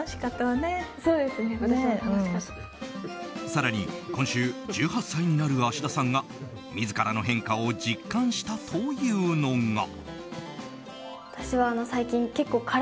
更に、今週１８歳になる芦田さんが自らの変化を実感したというのが。